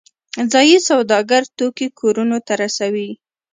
ځایی سوداګر توکي کورونو ته رسوي